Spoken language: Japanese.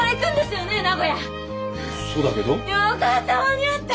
よかった間に合った。